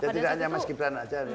jadi tidak hanya mas gibran saja